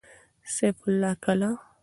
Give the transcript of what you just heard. سيف الله کلا